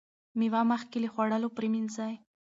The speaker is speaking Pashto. مېوه مخکې له خوړلو پریمنځئ.